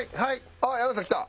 あっ山内さん来た。